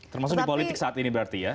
termasuk di politik saat ini berarti ya